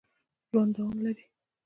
ژوند دوام لري